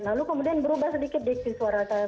lalu kemudian berubah sedikit diksi suara saya